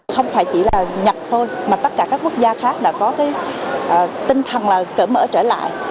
không phải chỉ là nhật thôi mà tất cả các quốc gia khác đã có tinh thần cửa mở trở lại